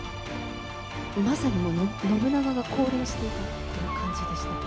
まさに信長が降霊していたっていう感じでした。